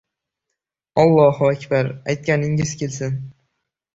— Olloh-akbar! Aytganingiz kelsin!